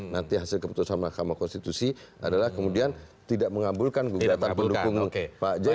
nanti hasil keputusan mahkamah konstitusi adalah kemudian tidak mengabulkan gugatan pendukung pak jokowi